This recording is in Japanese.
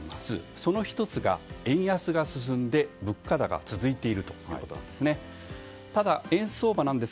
その１つが、円安が進んで物価高が進んでいることなんです。